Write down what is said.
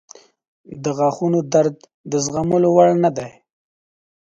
• د غاښونو درد د زغملو وړ نه دی.